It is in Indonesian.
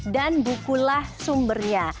dan bukulah sumbernya